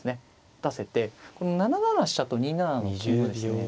打たせてこの７七飛車と２七の金をですね